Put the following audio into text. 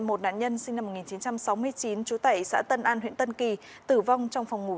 một nạn nhân sinh năm một nghìn chín trăm sáu mươi chín trú tẩy xã tân an huyện tân kỳ tử vong trong phòng ngủ